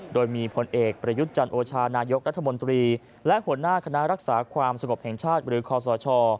โดยมีผลเอกประยุทธ์จันโอชานายกรัฐมนตรีและหัวหน้าคณะรักษาความสงบแห่งชาติหรือคอสช